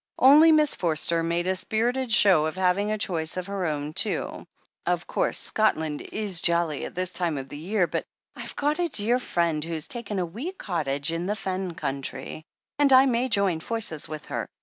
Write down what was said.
Only Miss Forster made a spirited show of having a choice of her own, too. "Of course, Scotland is jolly at this time of the year, but I've got a dear friend who's taken a wee cottage in the Fen country, and I may join forces with her.